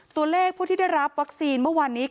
ตัวเลขผู้ที่ได้รับวัคซีนเมื่อวานนี้